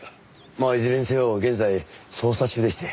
まあいずれにせよ現在捜査中でして。